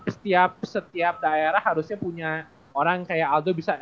jadi setiap daerah harusnya punya orang kaya aldo bisa berguna